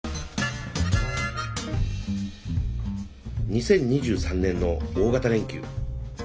２０２３年の大型連休。